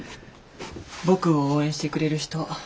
・僕を応援してくれる人